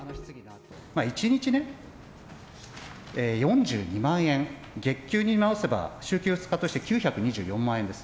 １日ね、４２万円、月給に直せば、週休２日として９２４万円です。